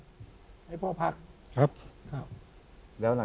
พี่น้องรู้ไหมว่าพ่อจะตายแล้วนะ